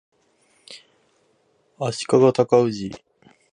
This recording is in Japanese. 足利尊氏